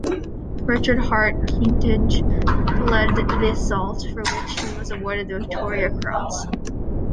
Richard Harte Keatinge led the assault, for which he was awarded the Victoria Cross.